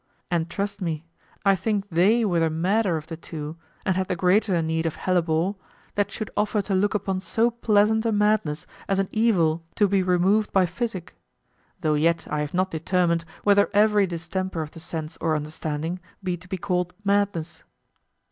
And trust me, I think they were the madder of the two, and had the greater need of hellebore, that should offer to look upon so pleasant a madness as an evil to be removed by physic; though yet I have not determined whether every distemper of the sense or understanding be to be called madness.